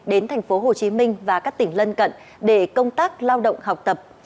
đến thành phố hồ chí minh và các tỉnh lân cận để công tác lao động học tập